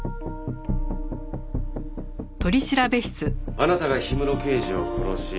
あなたが氷室刑事を殺し。